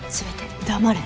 黙れ。